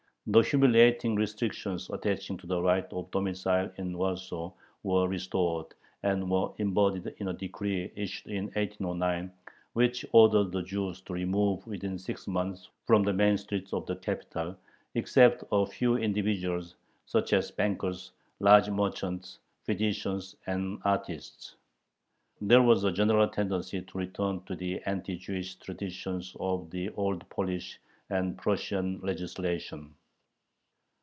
The humiliating restrictions attaching to the right of domicile in Warsaw were restored, and were embodied in a decree issued in 1809 which ordered the Jews to remove within six months from the main streets of the capital, except a few individuals, such as bankers, large merchants, physicians, and artists. There was a general tendency to return to the anti Jewish traditions of the Old Polish and Prussian legislation.